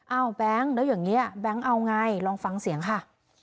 แบงค์แล้วอย่างนี้แบงค์เอาไงลองฟังเสียงค่ะ